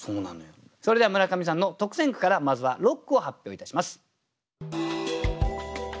それでは村上さんの特選句からまずは六句を発表いたします。